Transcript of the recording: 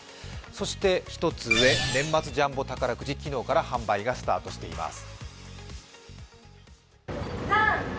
そして１つ上、年末ジャンボ宝くじ、昨日から販売がスタートしています。